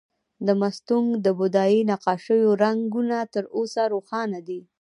د مستونګ د بودايي نقاشیو رنګونه تر اوسه روښانه دي